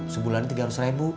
sebulan ini tiga relate